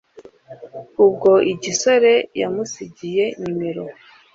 ubwo igisore yamusigiye nimero